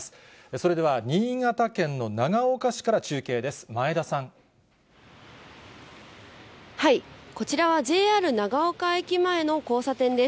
それでは新潟県の長岡市から中継です。